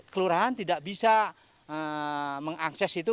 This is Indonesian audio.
kelurahan tidak bisa mengakses itu